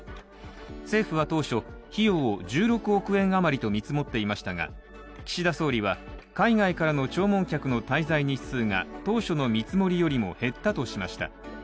政府は当初、費用を１６億円余りと見積もっていましたが岸田総理は海外からの弔問客の滞在日数が当初の見積もりよりも減ったとしました。